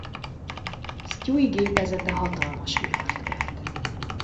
Stewie gépezete hatalmas vihart kelt.